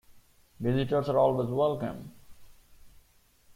Visitors are always welcome.